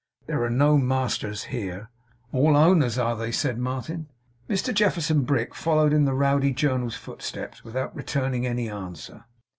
There are no masters here.' 'All "owners," are they?' said Martin. Mr Jefferson Brick followed in the Rowdy Journal's footsteps without returning any answer.